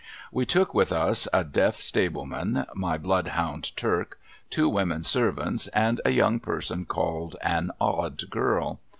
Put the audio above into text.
We took with us, a deaf stable man, my bloodhound Turk, two women servants, and a young j)erson called an Odd Girl.